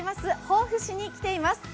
防府市に来ています。